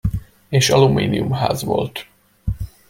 És alumíniumház volt.